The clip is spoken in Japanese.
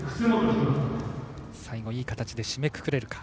最後いい形で締めくくれるか。